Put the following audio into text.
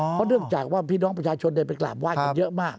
เพราะดื่มจากว่าพี่น้องประชาชนบ้างกล่ามว่ายกันเยอะมาก